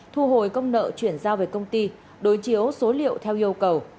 thu hồi công nợ chuyển giao về công ty đối chiếu số liệu theo yêu cầu